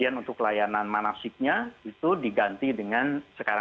iya vita bersama saya table si the dog church